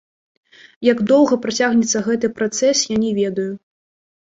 Як доўга працягнецца гэты працэс, я не ведаю.